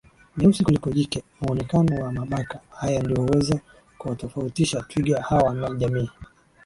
meusi kuliko jike Muonekano wa mabaka haya ndio huweza kuwatofautisha twiga hawa na jamii